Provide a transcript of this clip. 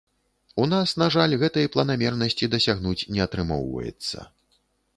У нас, на жаль, гэтай планамернасці дасягнуць не атрымоўваецца.